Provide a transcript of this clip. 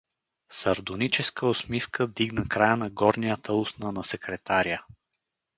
Сардоническа усмивка дигна края на горнята устна на секретаря.